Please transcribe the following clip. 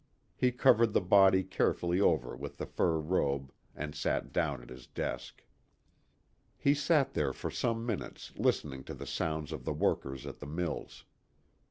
He covered the body carefully over with the fur robe, and sat down at his desk. He sat there for some minutes listening to the sounds of the workers at the mills.